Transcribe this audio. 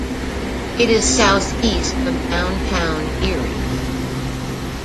It is southeast of downtown Erie.